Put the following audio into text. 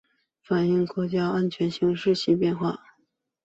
反映国家安全形势新变化